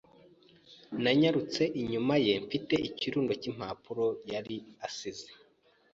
Nanyarutse inyuma ye mfite ikirundo cy'impapuro yari asize.